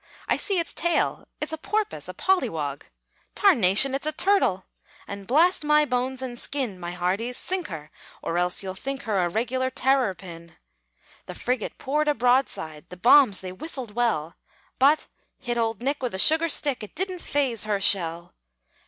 I see its tail! It's a porpoise! a pollywog! Tarnation! it's a turtle! And blast my bones and skin, My hearties, sink her, Or else you'll think her A regular terror pin! The frigate poured a broadside! The bombs they whistled well, But hit old Nick With a sugar stick! It didn't phase her shell!